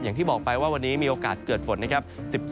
อย่างที่บอกไปว่าวันนี้มีโอกาสเกิดฝนนะครับ